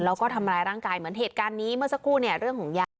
แล้วก็ทำร้ายร่างกายเหมือนเหตุการณ์นี้เมื่อสักครู่เนี่ยเรื่องของยา